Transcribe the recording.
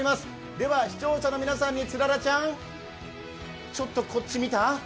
では視聴者の皆さんにツララちゃんちょっとこっち見た？